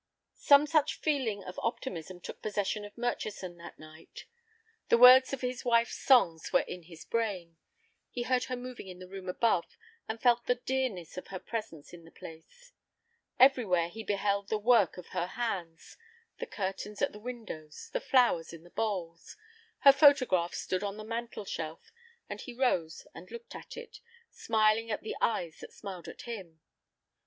Some such feeling of optimism took possession of Murchison that night. The words of his wife's songs were in his brain; he heard her moving in the room above, and felt the dearness of her presence in the place. Everywhere he beheld the work of her hands—the curtains at the windows, the flowers in the bowls. Her photograph stood on the mantel shelf, and he rose and looked at it, smiling at the eyes that smiled at him.